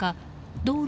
道路